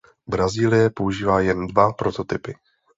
Brazílie používá jen dva prototypy.